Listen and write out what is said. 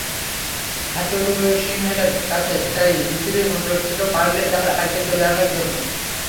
হাথুরুসিংহের কাছে তাই বিসিবির অনুরোধ ছিল পারলে তার আগেই চলে আসার জন্য।